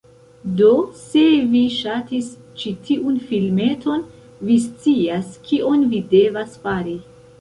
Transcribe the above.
Do se vi ŝatis ĉi tiun filmeton, vi scias, kion vi devas fari: